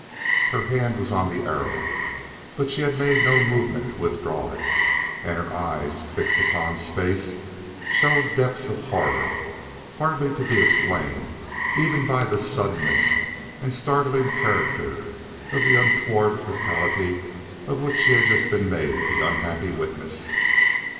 Her hand was on the arrow but she had made no movement to withdraw it, and her eyes, fixed upon space, showed depths of horror hardly to be explained even by the suddenness and startling character of the untoward fatality of which she had just been made the unhappy witness.